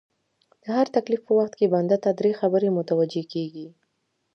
د هر تکليف په وخت کي بنده ته دری خبري متوجې کيږي